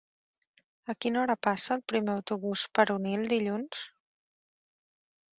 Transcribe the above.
A quina hora passa el primer autobús per Onil dilluns?